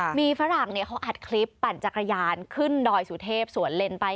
มีฝรั่งเขาอัดคลิปปั่นจักรยานขึ้นดอยสุเทพสวนเลนไป